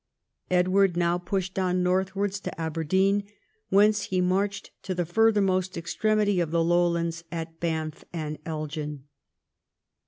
Edward now pushed on northwards to Aberdeen, whence he marched to the furthermost ex tremity of the Lowlands at Banff and Elgin.